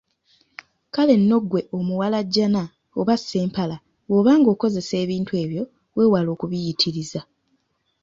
Kale nno ggwe omuwalajjana oba Ssempala bw’oba ng’okozesa ebintu ebyo weewale okubiyitiriza.